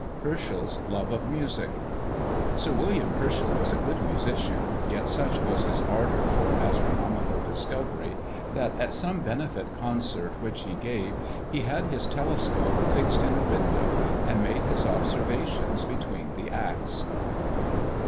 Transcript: HERSCHEL'S LOVE OF MUSIC. Sir William Herschel was a good musician, yet such was his ardour for astronomical discovery, that at some benefit concert which he gave, he had his telescope fixed in a window, and made his observations between the acts.